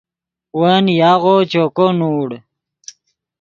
ون یاغو چوکو نوڑ